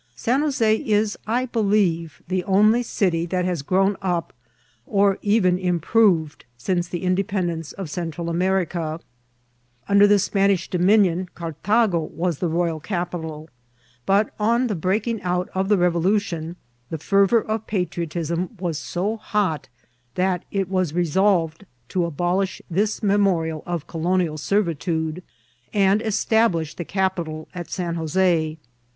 San Jos6 is, I believe, the only city that has grown up or even improved silice the independence of Central America. Under the Spanish dominion Cartago was the royal capital ; but, on the breaking out of the revo lution, the fervour of patriotism was so hot, that it was resolved to abolish this memorial of colonial servitude, and establish the capital at San Jos£.